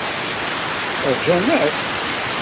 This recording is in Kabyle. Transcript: Ṛjan akk.